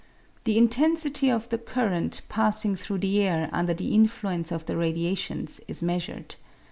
The intensity of the current passing through the air under the influence of the radiations is measured.